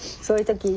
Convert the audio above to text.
そういう時